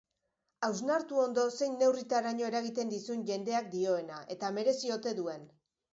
Hausnartu ondo zein neurritaraino eragiten dizun jendeak dioena eta merezi ote duen.